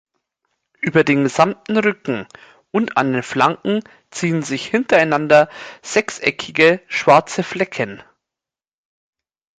Über den gesamten Rücken und an den Flanken ziehen sich hintereinander sechseckige, schwarze Flecken.